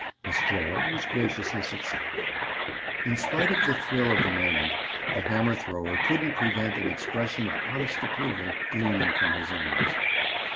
Miss Gerald was graciousness itself. In spite of the thrill of the moment, the hammer thrower couldn't prevent an expression of honest approval gleaming from his eyes.